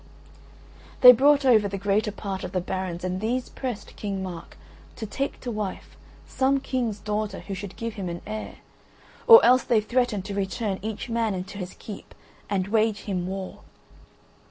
They brought over the greater part of the barons and these pressed King Mark to take to wife some king's daughter who should give him an heir, or else they threatened to return each man into his keep and wage him war.